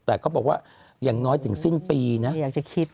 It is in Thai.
แต่เค้าบอกว่าอย่างน้อยถึงสิ้นปีนะ